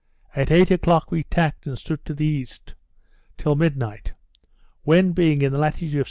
At eight o'clock we tacked and stood to the east till midnight; when being in the latitude of 60° 21' S.